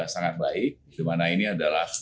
sangat baik dimana ini adalah